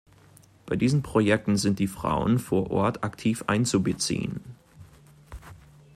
Bei diesen Projekten sind die Frauen vor Ort aktiv einzubeziehen.